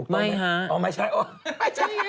ไม่ฮะ